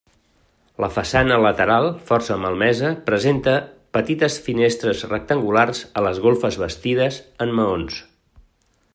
La façana lateral, força malmesa, presenta petites finestres rectangulars a les golfes bastides en maons.